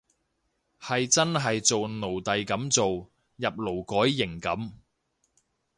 係真係做奴隸噉做，入勞改營噉